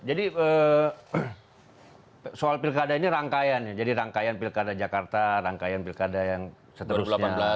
jadi soal pilkada ini rangkaian jadi rangkaian pilkada jakarta rangkaian pilkada yang seterusnya